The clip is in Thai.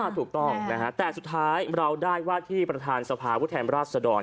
ถูกต้องแต่สุดท้ายเราได้ว่าที่ประธานสภาพฤทธิ์มราชสะดอด